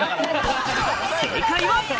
正解は。